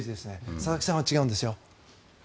佐々木さんは違うんですよ。